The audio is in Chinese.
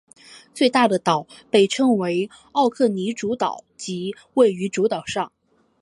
最大的岛被称为奥克尼主岛即位于主岛上。